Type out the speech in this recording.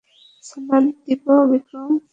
সালাদ দিবো, বিক্রম?